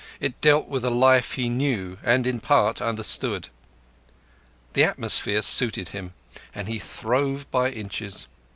It dealt with a life he knew and in part understood. The atmosphere suited him, and he throve by inches.